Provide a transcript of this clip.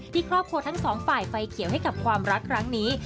ที่ครอบครัวทั้งสองฝ่ายไฟเขียวให้กับความรักครั้งนี้